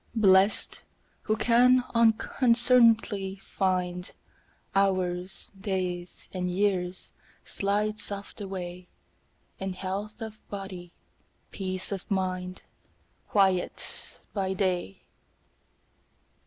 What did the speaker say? Blest, who can unconcern'dly find Hours, days, and years, slide soft away In health of body, peace of mind, Quiet by day.